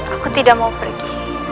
aku tidak mau pergi